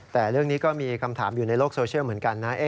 แล้วก็มีคำถามอยู่ในโลกโซเชียลเหมือนกันนะ